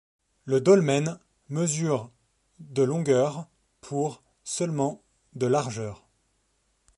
Le dolmen mesure de longueur pour seulement de largeur.